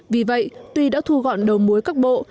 vì vậy tuy đã thu gọn đầu mối các bộ